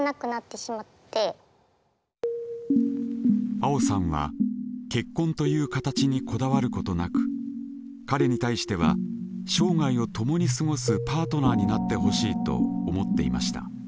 あおさんは結婚という形にこだわることなく彼に対しては生涯を共に過ごすパートナーになってほしいと思っていました。